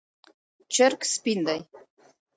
چرګ سپین دی